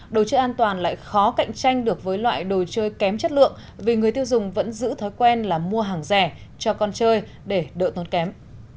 đồ chơi an toàn lại khó cạnh tranh được với loại đồ chơi kém chất lượng vì người tiêu dùng vẫn giữ thói quen là mua hàng rẻ cho con chơi để đỡ tốn kém